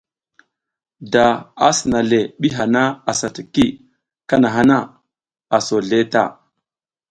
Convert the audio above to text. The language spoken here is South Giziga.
Da a sina le ɓi hana asa tiki kahana na, a so zleʼe ta.